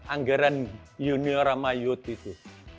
anggaran junior sama youth itu